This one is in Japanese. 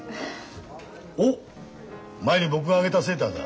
おっ前に僕があげたセーターだ。